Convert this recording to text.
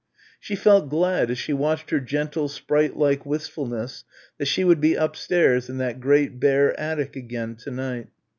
She felt glad as she watched her gentle sprite like wistfulness that she would be upstairs in that great bare attic again to night.